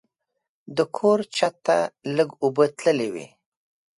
د کور چت ته لږ اوبه تللې وې.